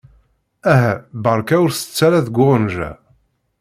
Aha beṛka ur tett ara deg uɣenǧa.